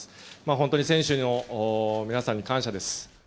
本当に選手の皆さんに感謝です。